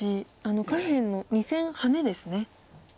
下辺の２線ハネですね。